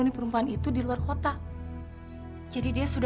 di belakang juga gak ada